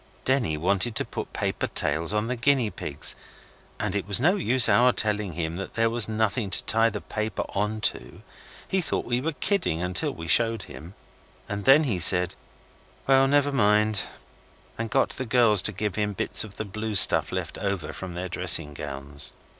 Denny wanted to put paper tails on the guinea pigs, and it was no use our telling him there was nothing to tie the paper on to. He thought we were kidding until we showed him, and then he said, 'Well, never mind', and got the girls to give him bits of the blue stuff left over from their dressing gowns.